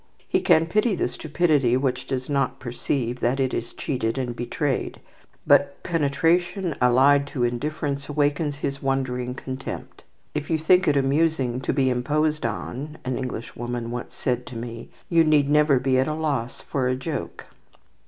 He can pity the stupidity which does not perceive that it is cheated and betrayed; but penetration allied to indifference awakens his wondering contempt. "If you think it amusing to be imposed on," an Englishwoman once said to me, "you need never be at a loss for a joke."